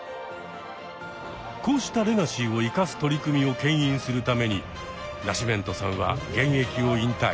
こうしたレガシーを生かす取り組みをけん引するためにナシメントさんは現役を引退。